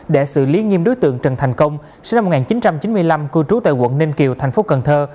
để xử lý nghiêm đối tượng trần thành công sinh năm một nghìn chín trăm chín mươi năm cư trú tại quận ninh kiều thành phố cần thơ